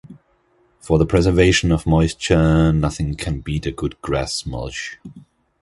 For the preservation of moisture nothing can beat a good grass mulch.